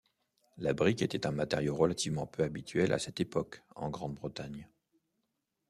La brique était un matériau relativement peu habituel à cette époque en Grande-Bretagne.